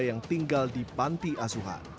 yang tinggal di panti asuhan